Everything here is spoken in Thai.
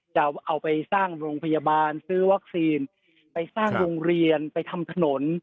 จะเอาไปสร้างโรงพยาบาลซื้อวัคซีนไปสร้างโรงเรียนไปทำถนน